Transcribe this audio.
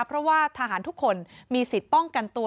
เพราะว่าทหารทุกคนมีสิทธิ์ป้องกันตัว